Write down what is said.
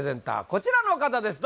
こちらの方です